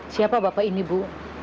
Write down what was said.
siapa bapak ini ibu